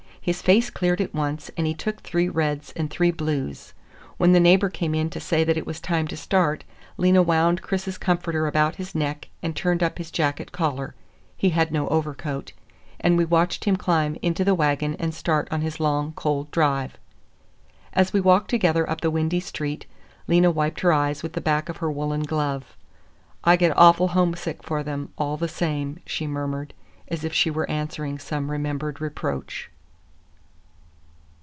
His face cleared at once, and he took three reds and three blues. When the neighbor came in to say that it was time to start, Lena wound Chris's comforter about his neck and turned up his jacket collar—he had no overcoat—and we watched him climb into the wagon and start on his long, cold drive. As we walked together up the windy street, Lena wiped her eyes with the back of her woolen glove. "I get awful homesick for them, all the same," she murmured, as if she were answering some remembered reproach.